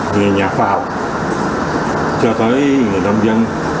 người nhà khoa học cho tới người nông dân